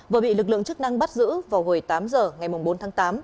vừa bị lực lượng chức năng bắt giữ vào hồi tám giờ ngày bốn tháng tám